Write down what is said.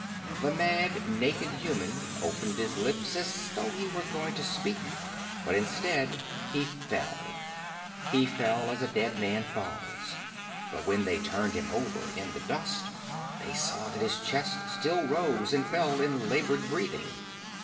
The mad, naked human opened his lips as though he were going to speak, but instead, he fell. He fell, as a dead man falls. But when they turned him over in the dust, they saw that his chest still rose and fell in labored breathing.